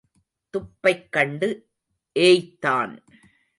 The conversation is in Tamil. துப்பைக் கண்டு ஏய்த்தான்.